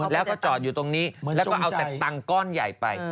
และก็จอดอยู่ตรงนี้และเอาแต่ตังข้อนใหญ่ไป